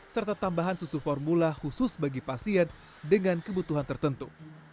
serta tambahan susu formula khusus bagi pasien dengan kebutuhan tertentu